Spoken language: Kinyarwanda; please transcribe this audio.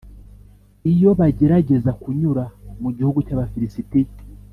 iyo bagerageza kunyura mu gihugu cy’abafirisitiya,